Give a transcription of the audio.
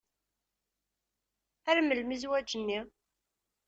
Ar melmi zzwaǧ-nni?